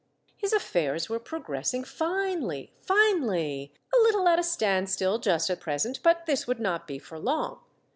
His affairs were progressing finely, finely ! A little at a standstill just at pres ent, but this would not be for long.